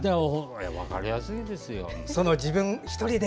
分かりやすいですよ。